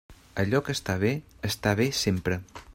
Allò que està bé, està bé sempre.